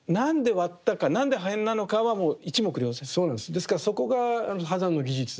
ですからそこが波山の技術で。